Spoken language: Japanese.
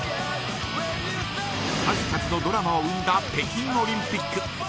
数々のドラマを生んだ北京オリンピック。